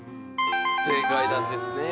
正解なんですね。